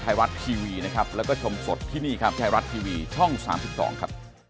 ไทยรัฐทีวีนะครับแล้วก็ชมสดที่นี่ครับไทยรัฐทีวีช่อง๓๒ครับ